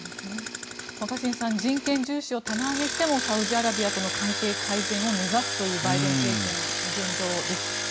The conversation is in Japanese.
若新さん人権重視を棚上げしてもサウジアラビアとの関係改善を目指すというバイデン政権の現状です。